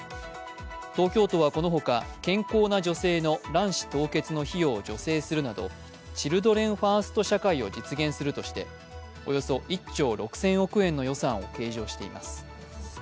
東京都はこのほか、健康な女性の卵子凍結の費用を助成するなどチルドレンファースト社会を実現するとして、およそ１兆６０００億円の予算を計上しています。